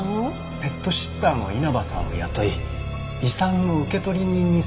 ペットシッターの稲葉さんを雇い遺産の受取人にするんです。